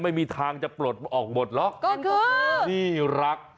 ไม่มีทางจะปลดออกหมดหรอกก็คือนี่รัก